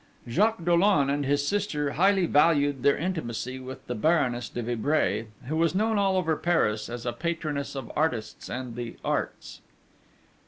Jacques Dollon and his sister highly valued their intimacy with the Baroness de Vibray, who was known all over Paris as a patroness of artists and the arts.